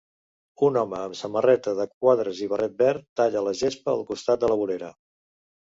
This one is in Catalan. Un home amb samarreta de quadres i barret verd talla la gespa al costat de la vorera.